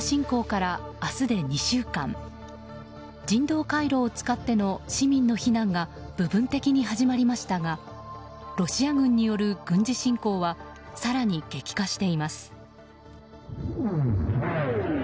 人道回廊を使っての市民の避難が部分的に始まりましたがロシア軍による軍事侵攻は更に激化しています。